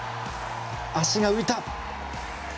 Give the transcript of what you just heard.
足が浮いた。